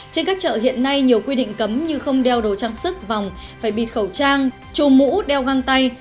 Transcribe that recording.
trên các chợ hiện nay nhiều quy định cấm như không đeo đồ trang sức vòng phải bịt khẩu trang trùm mũ đeo găng tay